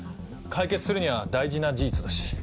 解決するには大事な事実だし。